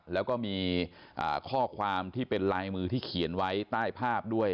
แล้วก็มีข้อความที่เป็นลายมือที่เขียนไว้ใต้ภาพด้วย